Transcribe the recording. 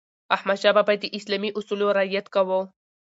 احمدشاه بابا د اسلامي اصولو رعایت کاوه.